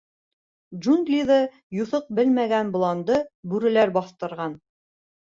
Джунглиҙы юҫыҡ белмәгән боланды бүреләр баҫтырған.